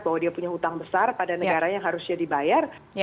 bahwa dia punya hutang besar pada negara yang harusnya dibayar